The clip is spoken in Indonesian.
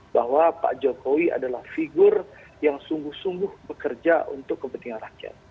bahwa pak jokowi adalah figur yang sungguh sungguh bekerja untuk kepentingan rakyat